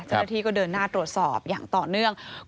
ซึ่งละทีก็เดินหน้าตรวจสอบอย่างต่อเนื่อง